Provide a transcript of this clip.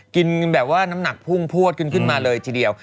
กินแบบว่าน้ำหนักพุ่งพวดขึ้นมาเลยทีเดียว